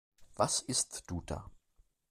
Was isst du da?